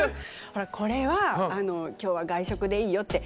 ほらこれは今日は外食でいいよって。